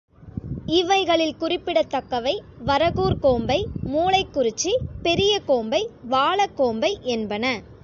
இவைகளில் குறிப்பிடத்தக்கவை, வரகூர் கோம்பை, மூலைக்குரிச்சி, பெரிய கோம்பை, வாலக் கோம்பை என்பன.